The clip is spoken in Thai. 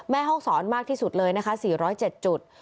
แม่ห้องสอนมากที่สุดเลยนะคะ๔๐๗จุด